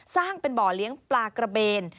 สร้างเป็นบ่อเลี้ยงปลากระเบน